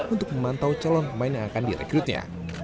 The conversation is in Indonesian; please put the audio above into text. untuk memantau calon pemain yang akan direkrutnya